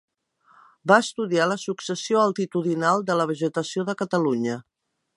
Va estudiar la successió altitudinal de la vegetació de Catalunya.